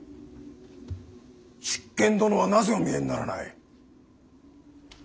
執権殿はなぜお見えにならない。